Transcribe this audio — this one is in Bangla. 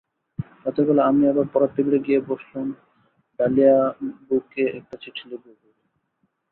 রাতের বেলা আমি আবার পড়ার টেবিলে গিয়ে বসলাম ডালিয়াবুকে একটা চিঠি লিখব ভেবে।